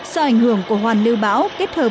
do ảnh hưởng của hoàn lưu bão